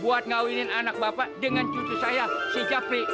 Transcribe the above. buat ngawinin anak bapak dengan cucu saya si jafri